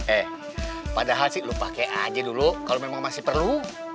eh padahal sih lo pakai aja dulu kalau memang masih perlu